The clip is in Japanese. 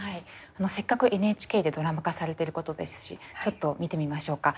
せっかくＮＨＫでドラマ化されてることですしちょっと見てみましょうか。